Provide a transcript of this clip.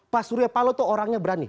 pak surya palo tuh orangnya berani